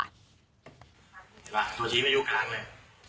เห็นป่ะตัวชี้มันอยู่กลางเลย